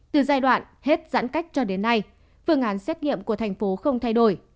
từ giai đoạn hết giãn cách cho đến nay phương án xét nghiệm của thành phố không thay đổi